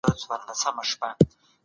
د حقیقت موندلو لپاره ډېره مطالعه وکړئ.